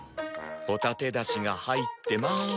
ホタテだしが入ってまーす。